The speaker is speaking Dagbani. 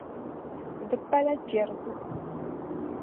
Di pala kpɛrigu.